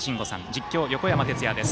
実況、横山哲也です。